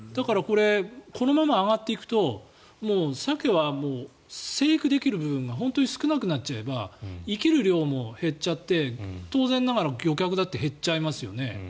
このまま上がっていくとサケは生育できる部分が本当に少なくなっちゃえば生きる量も減っちゃって当然ながら漁獲だって減っちゃいますよね。